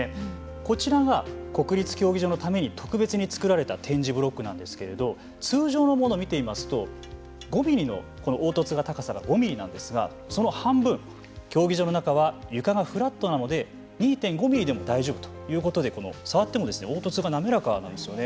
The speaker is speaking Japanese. こちらが国立競技場のために特別に作られた点字ブロックなんですけれど通常の物を見てみますと凹凸の高さが５ミリなんですけどもその半分競技場の中は床がフラットなので２．５ミリでも大丈夫ということでこのさわっても凹凸が滑らかなんですよね。